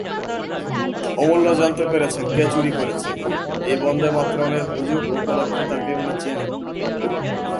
অমূল্য জানতে পেরেছেন কে চুরি করেছে, এই বন্দেমাতরমের হুজুক উপলক্ষে তাকে উনি চেনেন।